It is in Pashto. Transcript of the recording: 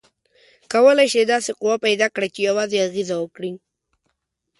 کولی شئ داسې قوه پیداکړئ چې یوازې اغیزه وکړي؟